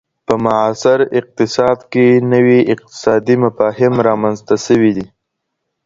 په معاصر اقتصاد کي نوي اقتصادي مفاهيم رامنځته سوي دي.